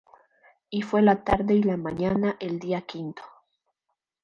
Y fué la tarde y la mañana el día quinto.